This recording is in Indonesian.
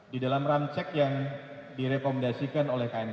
di dalam ram cek yang direkomendasikan